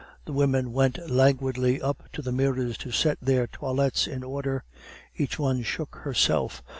The women went languidly up to the mirrors to set their toilettes in order. Each one shook herself.